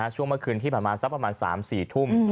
ช่วงเมื่อคืนที่สักประมาณสามสี่ทุ่ม